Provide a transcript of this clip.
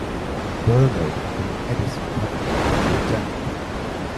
Bernard and the Edison family were retained.